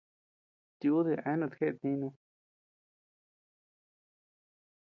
Tiudi eanut jeʼet nínu.